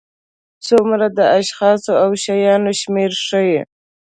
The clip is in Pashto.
څومره د اشخاصو او شیانو شمېر ښيي.